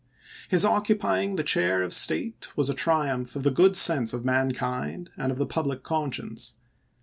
.. His occupying the chair of state was a triumph of the good sense of mankind and of the public conscience.